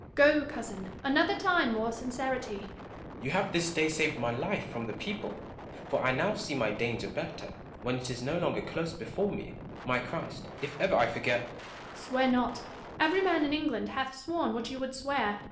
Joanna. Go, cousin ! another time more sincerity ! Gaunt. You have this day saved my life from the LADY LISLE AND ELIZABETH GAUNT. 8i people ; for I now see my danger better, when it is no longer close before me. My Christ ! if ever I forget Joanna. Swear not : every man in England hath sworn what you would swear.